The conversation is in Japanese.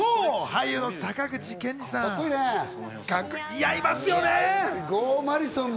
俳優の坂口憲二さん、似合いますよね。